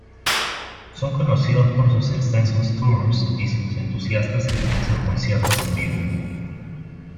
Son Conocidos por sus extensos tours y sus entusiastas e intensos conciertos en vivo.